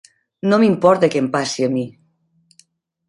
No m'importa què em passi a mi.